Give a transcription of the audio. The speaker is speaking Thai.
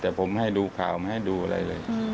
แต่ผมให้ดูข่าวไม่ให้ดูอะไรเลย